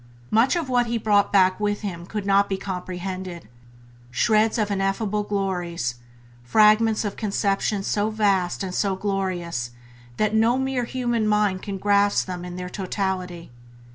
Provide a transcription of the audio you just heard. Much of what he brought back with him he could not comprehend; shreds of ineffable glories, fragments of conceptions so vast and so gorgeous that no merely human mind can grasp them in their totality.